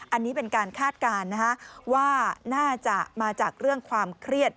อันนี้เป็นการคาดการณ์ว่าน่าจะมาจากเรื่องความเครียด